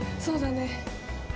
そうだね。